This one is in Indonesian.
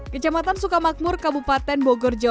kecamatan sukamakmur kabupaten bogor jawa